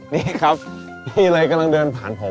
นี่ครับนี่เลยกำลังเดินผ่านผม